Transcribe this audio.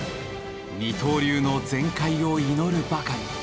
二刀流の全快を祈るばかり。